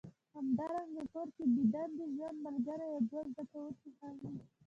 همدارنګه کور کې بې دندې ژوند ملګری او دوه زده کوونکي هم وي